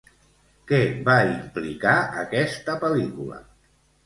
Què va implicar aquesta pel·lícula?